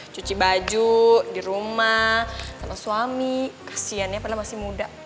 cuci baju di rumah sama suami kasihan ya padahal masih muda